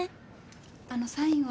あのサインを。